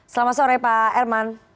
selamat sore pak erman